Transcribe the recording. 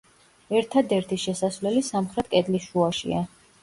ერთადერთი შესასვლელი სამხრეთ კედლის შუაშია.